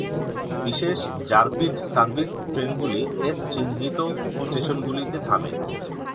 বিশেষ rapid service ট্রেনগুলি "S" চিহ্নিত স্টেশনগুলিতে থামে।